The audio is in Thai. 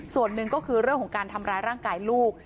ส่วนหนึ่งก็คือเรื่องของการทำร้ายร่างกายลูก